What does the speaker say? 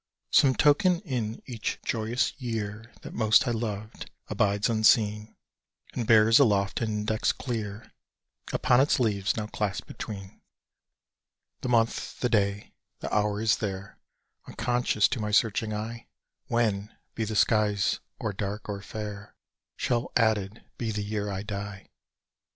Some token in each joyous year That most I loved, abides unseen, And bears aloft an index clear Upon its leaves now clasped between. The month, the day, the hour is there, Unconscious to my searching eye When, be the skies or dark or fair, Shall added be the Year I die!